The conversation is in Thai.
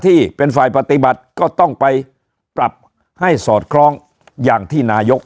ที่เป็นฝ่ายปฏิบัติก็ต้องไปปรับให้สอดคล้องอย่างที่นายก